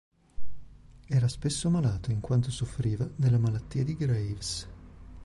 Era spesso malato in quanto soffriva della malattia di Graves.